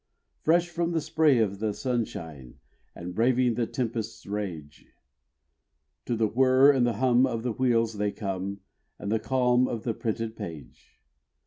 Fresh from the spray of the sunshine, And braving the tempest's rage, To the whirr and the hum of the wheels they come, And the calm of the printed page.